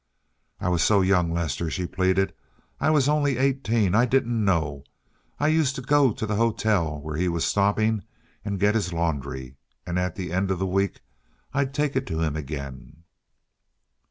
"I was so young, Lester," she pleaded. "I was only eighteen. I didn't know. I used to go to the hotel where he was stopping and get his laundry, and at the end of the week I'd take it to him again."